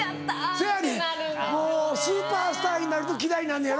そやねんスーパースターになると嫌いになんのやろ？